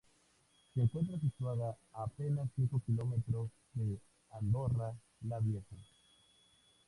Se encuentra situada a apenas cinco kilómetros de Andorra la Vieja.